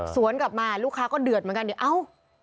สวนกลับมาลูกค้าก็เดือดเหมือนกันเดี๋ยวเอ้า